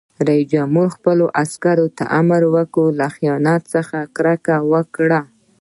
رئیس جمهور خپلو عسکرو ته امر وکړ؛ له خیانت څخه کرکه وکړئ!